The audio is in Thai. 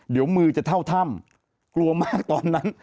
เดี๋ยวมือจะเท่าถ้ำกลัวมากตอนนั้น